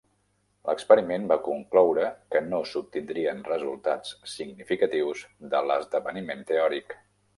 L'experiment va concloure que no s'obtindrien resultats significatius de l'esdeveniment teòric.